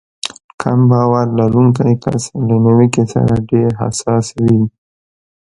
کم باور لرونکی کس له نيوکې سره ډېر حساس وي.